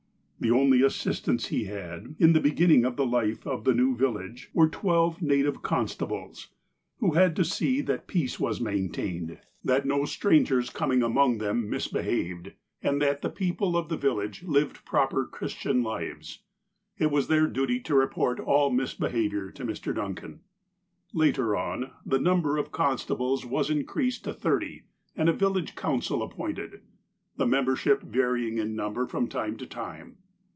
The only assistants he had, in the beginning of the life of the new village, were twelve native constables, who had to see that peace was maintained, that no strangers 157 158 THE APOSTLE OF ALASKA coming among tliem misbehaved, and that the people of the village lived proi)er Christian lives. It was their duty to report all misbehaviom* to Mr. Duncan. Later on, the number of constables was increased to thirty, and a village council appointed, the membership varying in number from time to time.